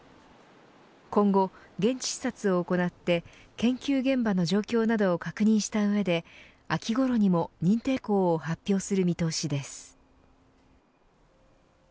今後、現地視察を行って研究現場の状況などを確認した上で秋ごろにも認定校を発表する見通しです。